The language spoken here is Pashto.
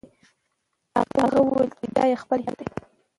هغه وویل چې دا یې خپل هیواد دی.